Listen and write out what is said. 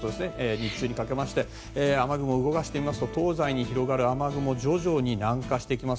日中にかけまして雨雲を動かしますと東西に広がる雨雲が徐々に南下していきます。